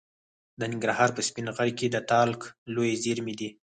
د ننګرهار په سپین غر کې د تالک لویې زیرمې دي.